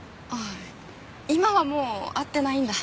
今はもう会ってないんだ。